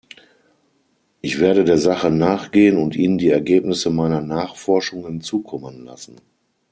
Ich werde der Sache nachgehen und Ihnen die Ergebnisse meiner Nachforschungen zukommen lassen.